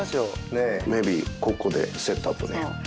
メイビー、ここでセットアップね。